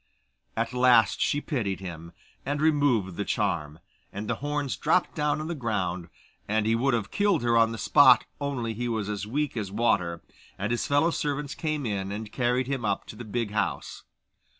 At last she pitied him, and removed the charm, and the horns dropped down on the ground, and he would have killed her on the spot, only he was as weak as water, and his fellow servants came in and carried him up to the big house.